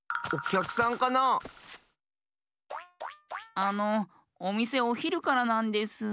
あのおみせおひるからなんです。